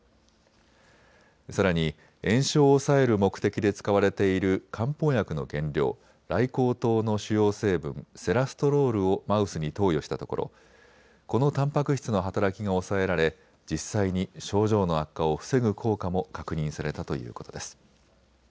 さらに炎症を抑える目的で使われている漢方薬の原料、ライコウトウの主要成分、セラストロールをマウスに投与したところこのたんぱく質の働きが抑えられ実際に症状の悪化を防ぐ効果も確認されたということです。